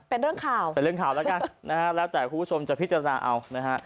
เป็นเรื่องข่าวแล้วแต่คุณผู้ชมจะพิจารณาเอา